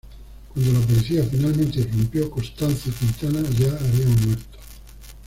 Cuando la policía finalmente irrumpió, Constanzo y Quintana ya habían muerto.